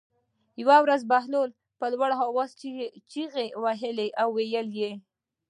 یوه ورځ بهلول په لوړ آواز چغې وهلې او ویلې یې.